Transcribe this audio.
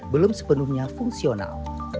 belum sepenuhnya fungsional